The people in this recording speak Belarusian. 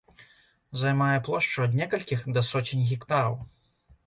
Займае плошчу ад некалькіх да соцень гектараў.